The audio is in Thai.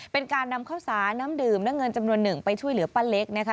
เป็นการนำข้าวสารน้ำดื่มและเงินจำนวนหนึ่งไปช่วยเหลือป้าเล็กนะคะ